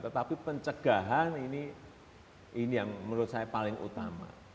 tetapi pencegahan ini yang menurut saya paling utama